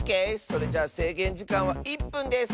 それじゃあせいげんじかんは１ぷんです！